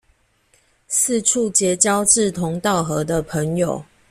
四處結交志同道合的朋友